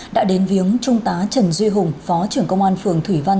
đã đến viếng trung tá trần duy hùng phó trưởng công an phường thủy văn